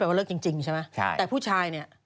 ว่าเลิกจริงใช่ไหมใช่แต่ผู้ชายเนี่ย